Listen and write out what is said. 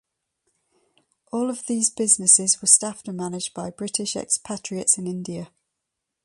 All of these businesses were staffed and managed by British expatriates in India.